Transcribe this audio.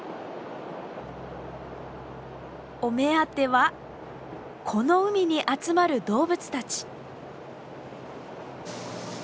お目当てはこの海に集まる動物たち。